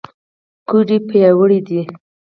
ګوډې پیاوړې دي.